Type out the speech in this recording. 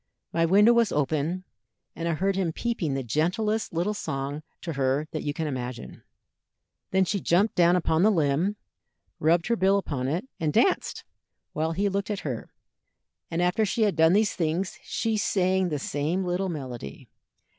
My window was open, and I heard him peeping the gentlest little song to her that you can imagine. Then she jumped down upon the limb, rubbed her bill upon it, and danced, while he looked at her, and after she had done these things she sang the same little melody.